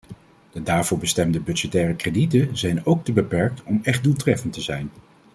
De daarvoor bestemde budgettaire kredieten zijn ook te beperkt om echt doeltreffend te zijn.